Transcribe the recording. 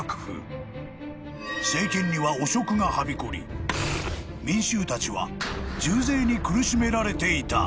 ［政権には汚職がはびこり民衆たちは重税に苦しめられていた］